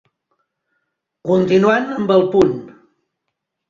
Continuant amb el punt.